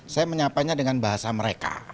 saya menyapanya dengan bahasa mereka